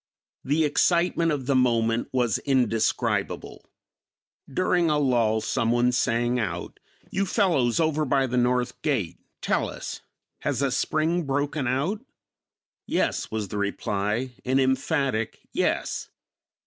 The excitement of the moment was indescribable. During a lull some one sang out, "You fellows over by the north gate, tell us, has a spring broken out?" "Yes," was the reply, an emphatic "Yes."